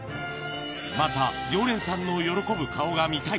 また常連さんの喜ぶ顔が見たい。